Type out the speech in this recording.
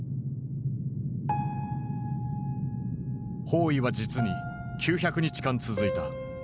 包囲は実に９００日間続いた。